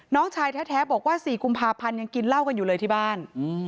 น้องชายแท้บอกว่า๔กุมภาพันธ์ยังกินเหล้ากันอยู่เลยที่บ้าน